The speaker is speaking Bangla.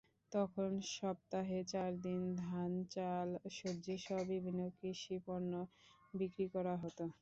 তখন সপ্তাহে চার দিন ধান, চাল, সবজিসহ বিভিন্ন কৃষিপণ্য বিক্রি করা হতো।